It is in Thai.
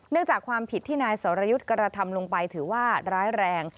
จากความผิดที่นายสรยุทธ์กระทำลงไปถือว่าร้ายแรง